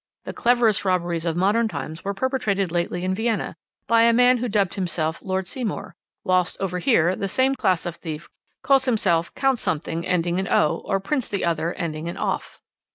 "The cleverest robberies of modern times were perpetrated lately in Vienna by a man who dubbed himself Lord Seymour; whilst over here the same class of thief calls himself Count Something ending in 'o,' or Prince the other, ending in 'off.'"